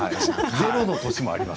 ゼロの年もあります。